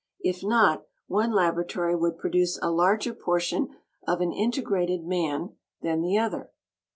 If not, one laboratory would produce a larger portion of an integrated man than the other.